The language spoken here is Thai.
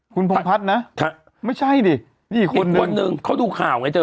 คุณพรงพัฒน์นะครับไม่ใช่ดินี่อีกคนนึงเขาถูกข่าวไงเจอ